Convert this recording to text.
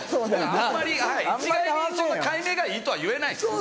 あんまり一概にそんな改名がいいとはいえないですよ。